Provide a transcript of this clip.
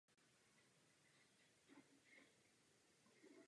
Je to dost jasné.